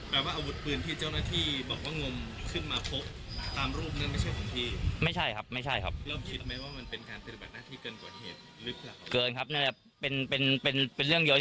แปลว่าอาวุธพืนที่เจ้าหน้าที่บอกว่างม้งขึ้นมาพบตามรูปนั้นไม่ใช่ของที่